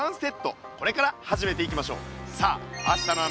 これから始めていきましょう。